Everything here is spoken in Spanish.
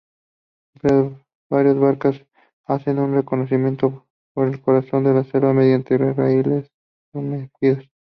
Varias barcas hacen un recorrido por el corazón de la selva mediante raíles sumergidos.